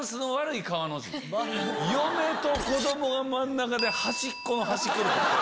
嫁と子供が真ん中で端っこの端っこで。